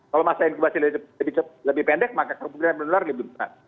kalau masa inkubasi lebih pendek maka perubahan penularan lebih berat